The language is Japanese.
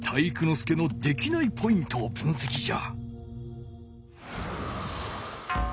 介のできないポイントを分せきじゃ。